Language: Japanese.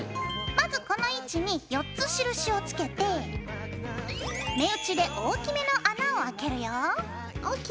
まずこの位置に４つ印をつけて目打ちで大きめの穴をあけるよ。ＯＫ！